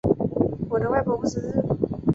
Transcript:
我的外婆不识字